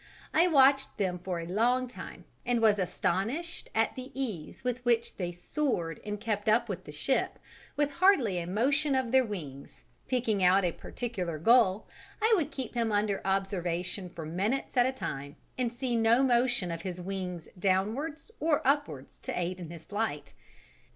I watched them for a long time and was astonished at the ease with which they soared and kept up with the ship with hardly a motion of their wings: picking out a particular gull, I would keep him under observation for minutes at a time and see no motion of his wings downwards or upwards to aid his flight.